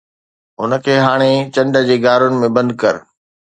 هن کي هاڻي چنڊ جي غارن ۾ بند ڪر